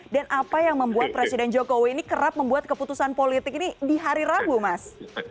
dan apa yang membuat presiden jokowi ini kerap membuat keputusan politik ini di hari rabu mas